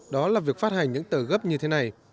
đó là việc phát hành những tờ gấp như thế này